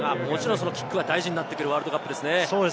そのキックは大事になってくるワールドカップですね。